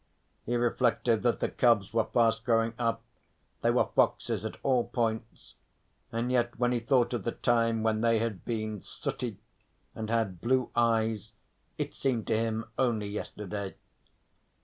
He reflected that the cubs were fast growing up, they were foxes at all points, and yet when he thought of the time when they had been sooty and had blue eyes it seemed to him only yesterday.